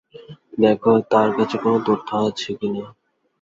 দেখো তার কাছে কোনো তথ্য আছে কিনা।